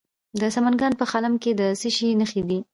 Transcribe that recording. د سمنګان په خلم کې د څه شي نښې دي؟